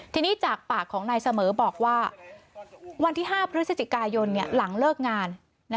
ทีนี้จากปากของนายเสมอบอกว่าวันที่๕พฤศจิกายนหลังเลิกงาน